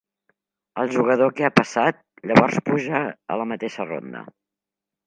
El jugador que ha passat, llavors puja a la mateixa ronda.